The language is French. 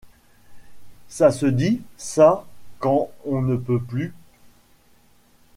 Ça se dit, ça, quand on ne peut plus.